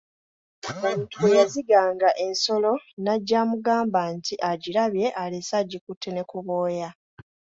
Omuntu bwe yaziganga ensolo n'ajja amugamba nti agirabye alese agikutte ne ku bwoya.